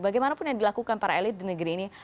bagaimanapun yang dilakukan para elit di negeri ini